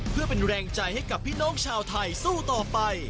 เพื่อเป็นแรงใจให้กับพี่น้องชาวไทยสู้ต่อไป